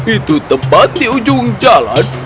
itu tepat di ujung jalan